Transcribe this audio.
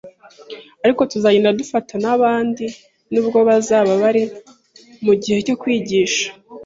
ariko tuzagenda dufata n’abandi nubwo bazaba bari mu gihe cyo kwigisha,